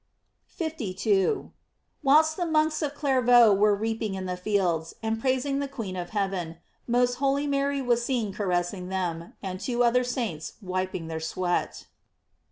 * 52. — Whilst the monks of Clairvaux were reaping in the fields, and praising the queen of heaven, most holy Mary was seen caressing them, and two other saints wiping their sweat.